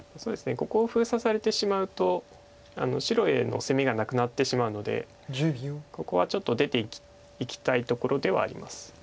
ここを封鎖されてしまうと白への攻めがなくなってしまうのでここはちょっと出ていきたいところではあります。